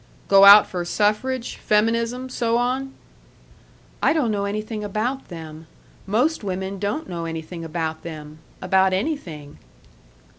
"Go out for suffrage, feminism, so on?" "I don't know anything about them. Most women don't know anything about them about anything!"